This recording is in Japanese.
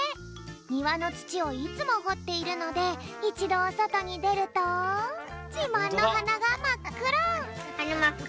にわのつちをいつもほっているのでいちどおそとにでるとじまんのはながまっくろ！